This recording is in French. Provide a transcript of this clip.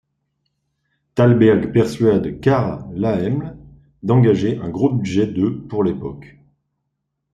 Thalberg persuade Carl Laemmle d'engager un gros budget de pour l'époque.